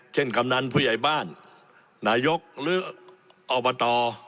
กำนันผู้ใหญ่บ้านนายกหรืออบต